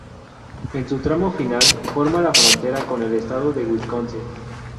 En su tramo final, forma la frontera con el estado de Wisconsin.